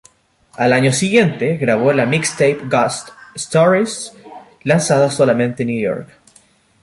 Al año siguiente, grabó la mixtape "Ghost Stories", lanzada solamente en New York.